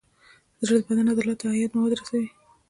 زړه د بدن عضلاتو ته حیاتي مواد رسوي.